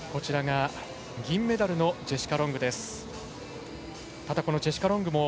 銀メダルのジェシカ・ロングです。